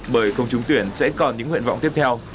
bởi không trúng tuyển sẽ còn những nguyện vọng tiếp theo